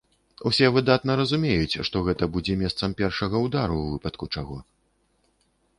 Усе выдатна разумеюць, што гэта будзе месцам першага ўдару ў выпадку чаго.